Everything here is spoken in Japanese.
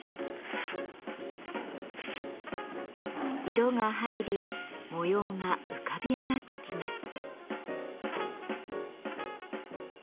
色が入り模様が浮かび上がってきます。